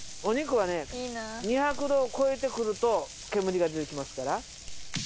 お肉はね２００度を超えてくると煙が出てきますから。